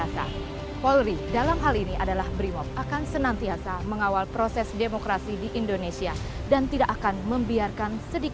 sedang ada penggeretakan teroris